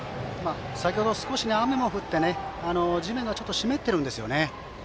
先程、少し雨も降って地面がちょっと湿っているんですよね。